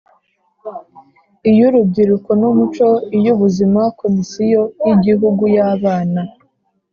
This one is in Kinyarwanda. iy’Urubyiruko n’Umuco, iy’Ubuzima, Komisiyo y’Igihugu y’Abana,